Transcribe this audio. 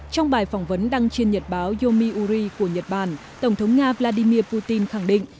trong bài phỏng vấn đăng trên nhật báo yomiuri của nhật bản tổng thống nga vladimir putin khẳng định